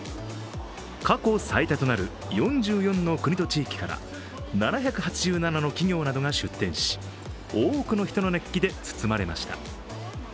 過去最多となる４４の国と地域から７８７の企業などが出展し多くの人の熱気で包まれました。